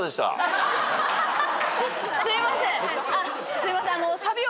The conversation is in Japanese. すいません。